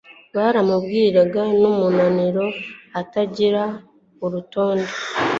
Kurambirwa numunaniro utagira urutonde